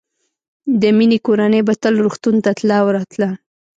د مينې کورنۍ به تل روغتون ته تله او راتله